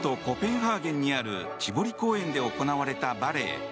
コペンハーゲンにあるチボリ公園で行われたバレエ